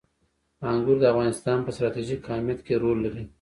انګور د افغانستان په ستراتیژیک اهمیت کې رول لري.